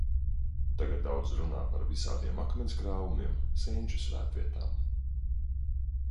Tagad daudz runā par visādiem akmens krāvumiem, senču svētvietām.